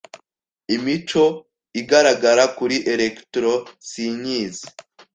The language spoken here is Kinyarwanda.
Imico igaragara kuri electro sinyizi